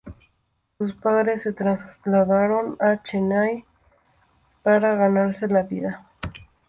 Sus padres se trasladaron a Chennai para ganarse la vida.